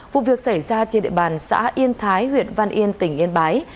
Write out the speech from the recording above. vụ việc xảy ra trên địa bàn xã yên thái huyện văn yên tỉnh yên bái